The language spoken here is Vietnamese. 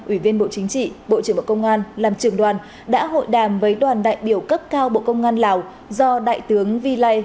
ủy viên bộ chính trị bộ trưởng bộ công an làm trường đoàn đã hội đàm với đoàn đại biểu cấp cao bộ công an lào do đại tướng vi lai